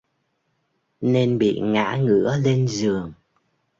Nên bị ngã ngửa lên giường